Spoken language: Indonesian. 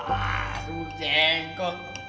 ah sebut jengkok